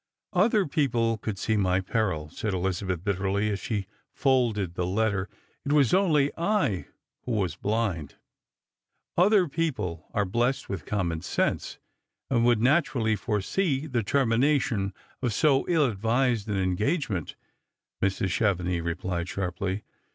" Other people could see my peril," said Elizabeth bitterly, as she folded the letter. " It was only I who was blind." " Other people are blessed with common sense, and would naturally foresee the tei mination of so ill advised an angage ment," Mrs. Chevenix replied shai ply.